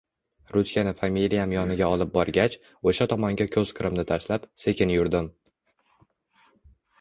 Ruchkani familiyam yoniga olib borgach, o`sha tomonga ko`z-qirimni tashlab, sekin yurdim